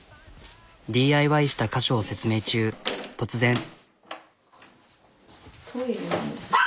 ＤＩＹした箇所を説明中突然。